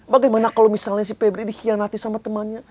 bagaimana kalau misalnya si pebri dikhianati sama temannya